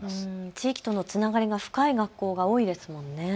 地域とのつながりが深い学校が多いですもんね。